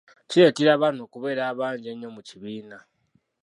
Kireetera abaana okubeera abangi ennyo mu kibiina.